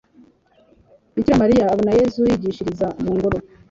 bikira mariya abona yezu yigishiriza mu ngoro